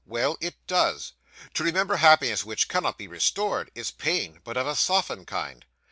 'Well; it does. To remember happiness which cannot be restored, is pain, but of a softened kind.